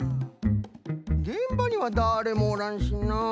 げんばにはだれもおらんしなあ。